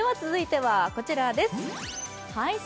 続いてはこちらです。